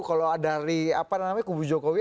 kalau dari apa namanya kubur jokowi